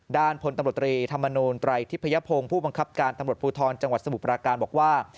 พลตำรวจตรีธรรมนูลไตรทิพยพงศ์ผู้บังคับการตำรวจภูทรจังหวัดสมุทรปราการบอกว่า